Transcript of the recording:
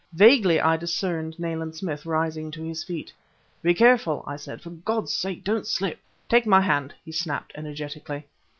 Vaguely I discerned Nayland Smith rising to his feet. "Be careful!" I said. "For God's sake don't slip!" "Take my hand," he snapped energetically.